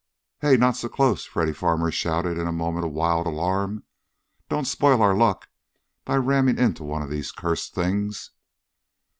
"Hey, not so close!" Freddy Farmer shouted in a moment of wild alarm. "Don't spoil our luck by ramming into one of these cursed things!"